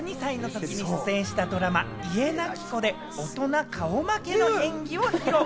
１２歳の時に出演したドラマ『家なき子』で大人顔負けの演技を披露。